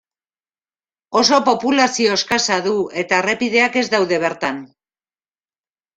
Oso populazio eskasa du eta errepideak ez daude bertan.